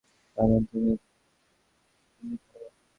দারুণ, তবে তুমিই খেলো।